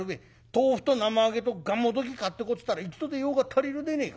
豆腐と生揚げとがんもどき買ってこいっつったら一度で用が足りるでねえか。